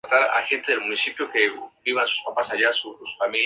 Fue compañero de viajes de Francesc Cambó y su consejero artístico.